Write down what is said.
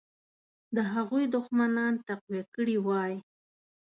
د هغوی دښمنان تقویه کړي وای.